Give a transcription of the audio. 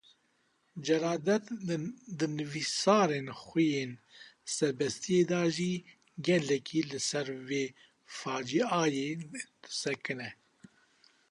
Celadet di nivîsarên xwe yên Serbestîyê de jî gelekî li ser vê facîayê disekine.